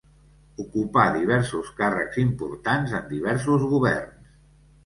Ocupà diversos càrrecs importants en diversos governs.